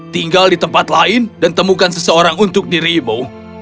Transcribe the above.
tinggal di tempat lain dan temukan seseorang untuk dirimu